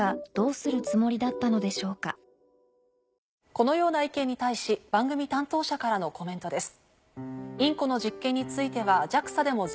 このような意見に対し番組担当者からのコメントです。